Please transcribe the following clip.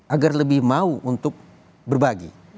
agar lebih mau untuk berbagi